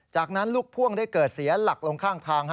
จากนั้นลูกพ่วงได้เกิดเสียหลักลงข้างทาง